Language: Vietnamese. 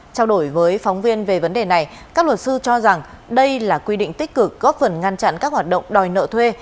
trao đổi với phóng viên về vấn đề này các luật sư cho rằng đây là quy định tích cực góp phần ngăn chặn các hoạt động đòi nợ thuê